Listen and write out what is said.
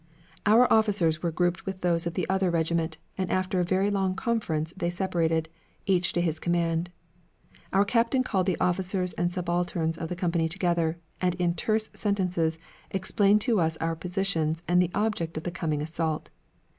Our officers were grouped with those of the other regiment, and after a very long conference they separated, each to his command. Our captain called the officers and subalterns of the company together, and in terse sentences explained to us our positions and the object of the coming assault.